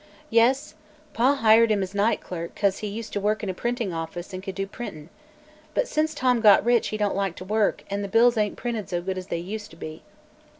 "Yes. Pa hired him as night clerk 'cause he'd worked in a printin' office an' could do printin'. But since Tom got rich he don't like to work, an the bills ain't printed as good as they used to be."